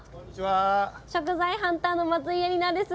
食材ハンターの松井絵里奈です。